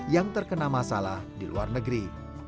yang terkena masalah di luar negeri